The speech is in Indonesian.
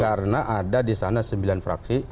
karena ada disana sembilan fraksi